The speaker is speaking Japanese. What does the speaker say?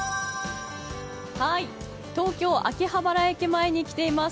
東京・秋葉原駅前に来ています。